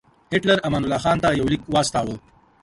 هیټلر امان الله خان ته یو لیک واستاوه.